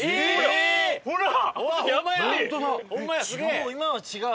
もう今は違う？